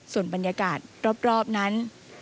ส่วนบรรยากาศรอบนั้น